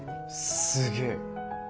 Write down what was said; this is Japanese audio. すげえ。